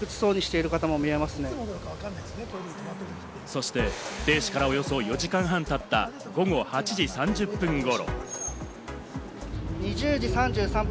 そして停止からおよそ４時間半たった午後８時３０分頃。